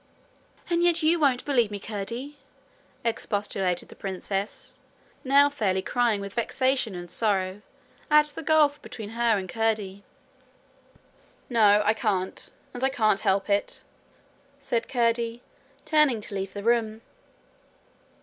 'And yet you won't believe me, Curdie?' expostulated the princess, now fairly crying with vexation and sorrow at the gulf between her and Curdie. 'No. I can't, and I can't help it,' said Curdie, turning to leave the room.